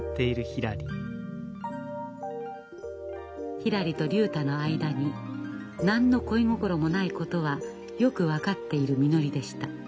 ひらりと竜太の間に何の恋心もないことはよく分かっているみのりでした。